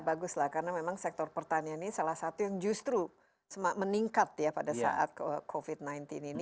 bagus lah karena memang sektor pertanian ini salah satu yang justru meningkat ya pada saat covid sembilan belas ini